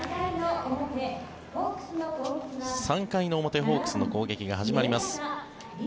３回の表ホークスの攻撃が始まります。